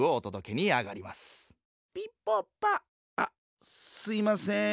ピポパあっすいません。